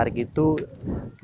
jadi kalau belum ada jalan lah